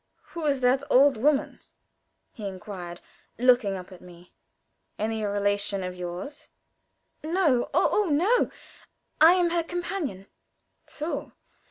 "Who is that old lady?" he inquired, looking up at me. "Any relation of yours?" "No oh, no! I am her companion." "So!